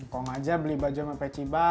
kok ngajak beli baju sama peci baru